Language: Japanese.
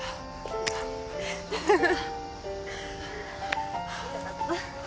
フフフ。